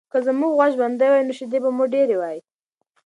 که زموږ غوا ژوندۍ وای، نو شیدې به مو ډېرې وای.